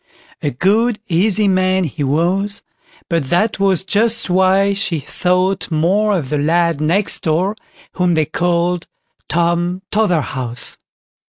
A good, easy man he was, but that was just why she thought more of the lad next door, whom they called "Tom Totherhouse".